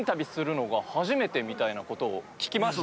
みたいなことを聞きまして。